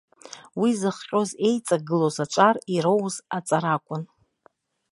Уи зыхҟьоз еиҵагылоз аҿар ирауз аҵара акәын.